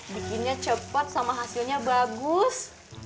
bikinnya cepat sama hasilnya bagus